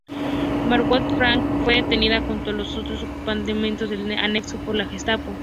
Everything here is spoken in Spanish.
Margot Frank fue detenida, junto con los otros ocupantes del anexo, por la Gestapo.